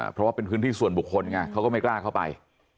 เพราะว่าเป็นพื้นที่ส่วนบุคคลไงเขาก็ไม่กล้าเข้าไป